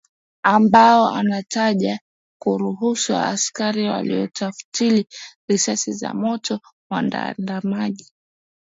ambao anataja kuruhusu askari wafiatulie risasi za moto waandamanaji